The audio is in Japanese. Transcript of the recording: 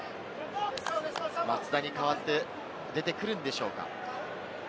松田に代わって出てくるんでしょうか。